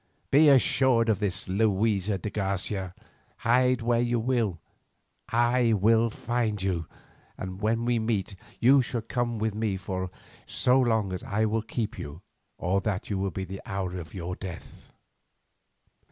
Be assured of this, Luisa de Garcia, hide where you will, I shall find you, and when we meet, you shall come with me for so long as I will keep you or that shall be the hour of your death.